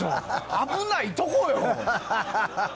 危ないとこよ。